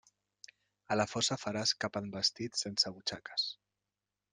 A la fossa faràs cap en vestit sense butxaques.